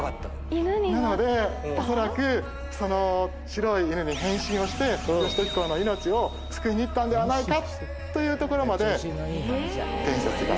恐らくその白い犬に変身をして義時公の命を救いに行ったんではないか？というところまで伝説が。